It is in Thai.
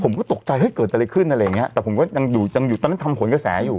ผมก็ตกใจเฮ้ยเกิดอะไรขึ้นอะไรอย่างเงี้ยแต่ผมก็ยังอยู่ยังอยู่ตอนนั้นทำผลกระแสอยู่